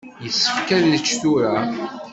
Yessefk ad nečč tura.